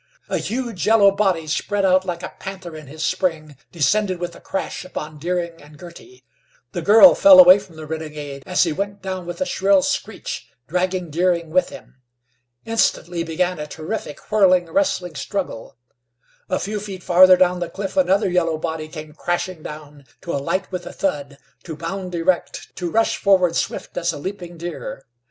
A huge yellow body, spread out like a panther in his spring, descended with a crash upon Deering and Girty. The girl fell away from the renegade as he went down with a shrill screech, dragging Deering with him. Instantly began a terrific, whirling, wrestling struggle. A few feet farther down the cliff another yellow body came crashing down to alight with a thud, to bound erect, to rush forward swift as a leaping deer.